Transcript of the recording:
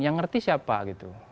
yang ngerti siapa gitu